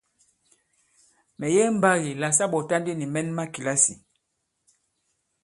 Mɛ̀ yege mbagì la sa ɓɔ̀ta ndi nì mɛn ma kìlasì.